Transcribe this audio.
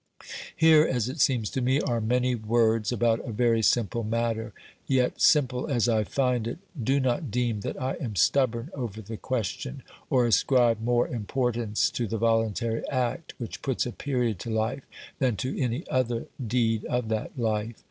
Here, as it seems to me, are many words about a very simple matter. Yet, simple as I find it, do not deem that I am stubborn over the question, or ascribe more impor tance to the voluntary act which puts a period to life than to any other deed of that life.